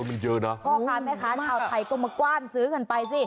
พ่อครับแม่ครับเค้าไทยก็มากว้ามซื้อกันไปซิ